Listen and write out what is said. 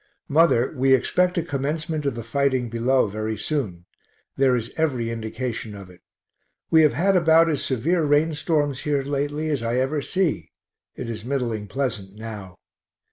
Mother, we expect a commencement of the fighting below very soon; there is every indication of it. We have had about as severe rain storms here lately as I ever see. It is middling pleasant now.